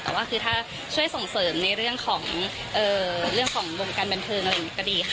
แต่ว่าคือถ้าช่วยส่งเสริมในเรื่องของวงการบันเทิงอะไรอย่างนี้ก็ดีค่ะ